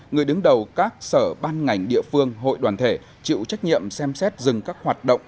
người đứng đầu các sở ban ngành địa phương hội đoàn thể chịu trách nhiệm xem xét dừng các hoạt động